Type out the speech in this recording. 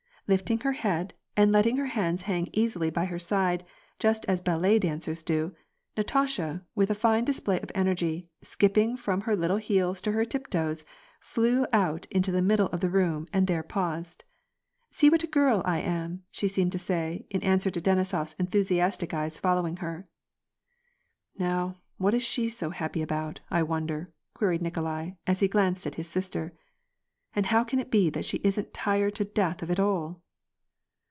Lifting her head, and letting her hands hang easily by her side, just as ballet dancers do, Natasha, with a fine display of energy, skipping from her little heels to her tiptoes, flew out into the middle of the room, and there paused. " See what a girl I am !" she seemed to say, in answer to Donisof's enthusiastic eyes fol lowing her. "Now, what is she so happy about, I wonder?" queried Nikolai, as he glanced at his sister. "And how can it be that she isn't tired to death of it all